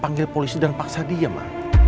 panggil polisi dan paksa dia mbak